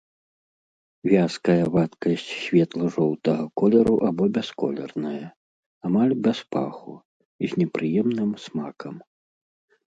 Вязкая вадкасць светла-жоўтага колеру або бясколерная, амаль без паху, з непрыемным смакам.